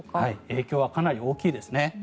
影響はかなり大きいですね。